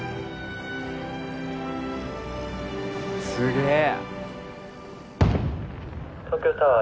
すげえ！